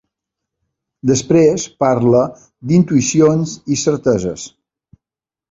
Després parla d'intuïcions i certeses.